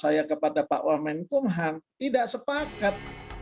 saya kepada pak wamen kumham tidak sepakat